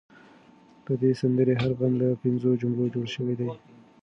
د دې سندرې هر بند له پنځو جملو جوړ شوی دی.